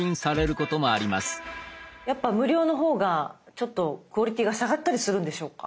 やっぱ無料の方がちょっとクオリティーが下がったりするんでしょうか？